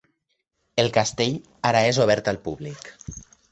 El castell ara és obert al públic.